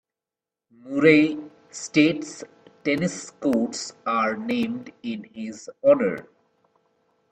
Murray State's tennis courts are named in his honor.